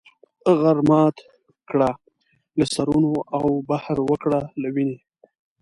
غر مات کړه له سرونو او بحر وکړه له وینې.